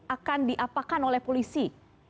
akan diapakan oleh polisi